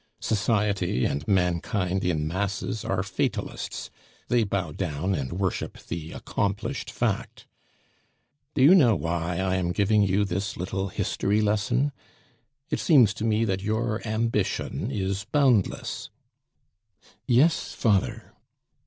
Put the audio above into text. Society and mankind in masses are fatalists; they bow down and worship the accomplished fact. Do you know why I am giving you this little history lesson? It seems to me that your ambition is boundless " "Yes, father."